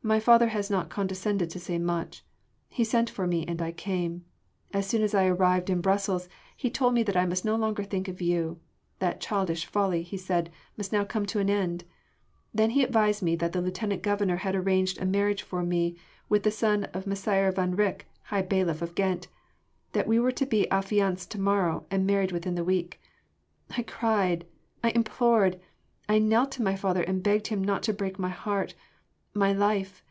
"My father has not condescended to say much. He sent for me and I came. As soon as I arrived in Brussels he told me that I must no longer think of you: that childish folly, he said, must now come to an end. Then he advised me that the Lieutenant Governor had arranged a marriage for me with the son of Messire van Rycke, High Bailiff of Ghent ... that we are to be affianced to morrow and married within the week. I cried I implored I knelt to my father and begged him not to break my heart, my life....